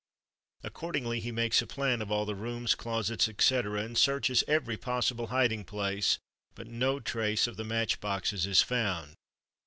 Accordingly he makes a plan of all the rooms, closets, etc., and searches every possible hiding place, but no trace of the Match boxes is found.